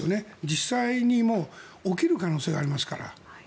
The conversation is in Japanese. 実際に起きる可能性がありますから。